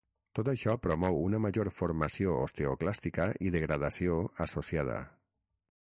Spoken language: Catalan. Tot això promou una major formació osteoclàstica i degradació associada.